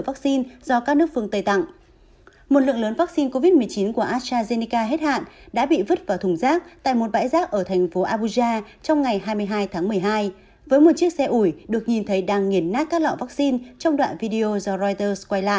với một chiếc xe ủi được nhìn thấy đang nghiền nát các lọ vaccine trong đoạn video do reuters quay lại